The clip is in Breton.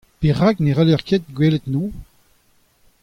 Perak ne cʼhaller ket gwelet anezhañ ?